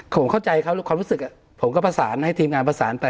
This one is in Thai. ผมเข้าใจเขาความรู้สึกผมก็ประสานให้ทีมงานประสานไป